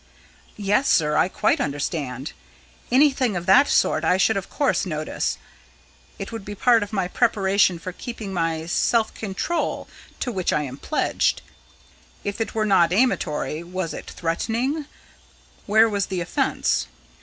"Yes, sir, I quite understand. Anything of that sort I should of course notice. It would be part of my preparation for keeping my self control to which I am pledged." "If it were not amatory, was it threatening? Where was the offence?"